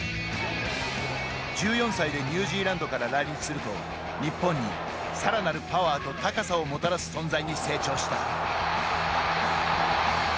１４歳でニュージーランドから来日すると日本に、さらなるパワーと高さをもたらす存在に成長した。